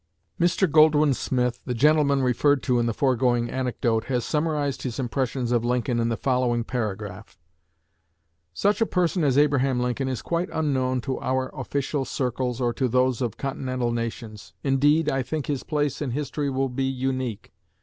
'" Mr. Goldwin Smith, the gentleman referred to in the foregoing anecdote, has summarized his impressions of Lincoln in the following paragraph: "Such a person as Abraham Lincoln is quite unknown to our official circles or to those of Continental nations. Indeed, I think his place in history will be unique.